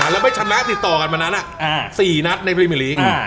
แล้วไม่ชนะติดต่อกันวันนั้น๔นัดในพรีมิลีก